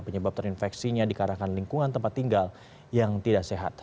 penyebab terinfeksinya dikarahkan lingkungan tempat tinggal yang tidak sehat